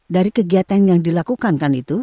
dari kegiatan yang dilakukan kan itu